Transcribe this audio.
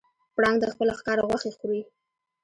پړانګ د خپل ښکار غوښې خوري.